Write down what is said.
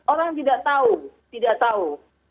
orang tidak tahu tidak tahu